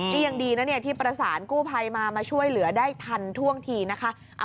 นี่ยังดีนะเนี่ยที่ประสานกู้ภัยมามาช่วยเหลือได้ทันท่วงทีนะคะ